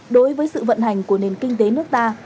đối với sự vận hành của nền kinh tế nước ta